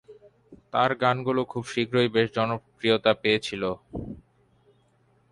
তার গানগুলো খুব শীঘ্রই বেশ জনপ্রিয়তা পেয়েছিল।